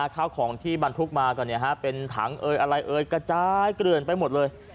ข้าวของที่บรรทุกมาก็เป็นถังเอ่ยอะไรเอ่ยกระจายเกลื่อนไปหมดเลย